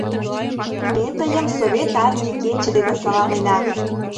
Ме тыйым Совет Армий кече дене саламлена.